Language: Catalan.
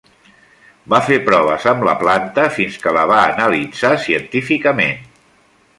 Va fer proves amb la planta fins que la va analitzar científicament.